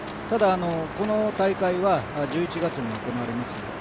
ただ、この大会は１１月に行われます